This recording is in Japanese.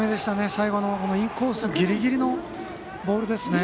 最後のインコースぎりぎりのボールですね。